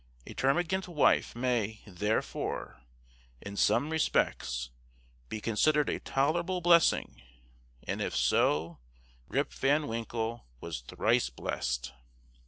A termagant wife may, therefore, in some respects, be considered a tolerable blessing, and if so, Rip Van Winkle was thrice blessed.